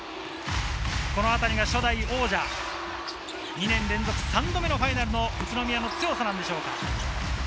このあたりが初代王者、２年連続３度目のファイナルの宇都宮の強さなのでしょうか。